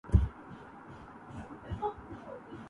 جوہر سواد جلوۂ مژگان حور تھا